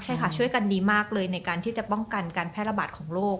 ใช่ค่ะช่วยกันดีมากเลยในการที่จะป้องกันการแพร่ระบาดของโรค